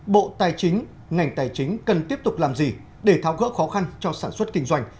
bộ tài chính ngành tài chính cần tiếp tục làm gì để tháo gỡ khó khăn cho sản xuất kinh doanh